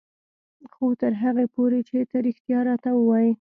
خو تر هغې پورې چې ته رښتيا راته وايې.